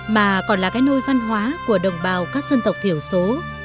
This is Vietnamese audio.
mà còn là cái nôi văn hóa của đồng bào các dân tộc thiểu số